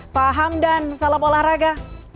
pak hamdan salam olahraga